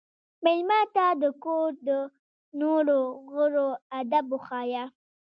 مېلمه ته د کور د نورو غړو ادب وښایه.